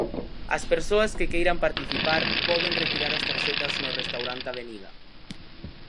As persoas que queiran participar poden retirar as tarxetas no restaurante Avenida.